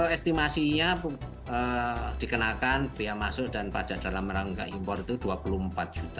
estimasinya dikenakan biaya masuk dan pajak dalam rangka impor itu rp dua puluh empat juta